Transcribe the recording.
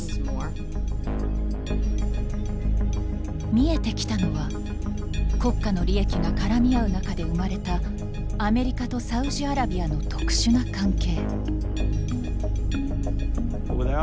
見えてきたのは国家の利益が絡み合う中で生まれたアメリカとサウジアラビアの特殊な関係。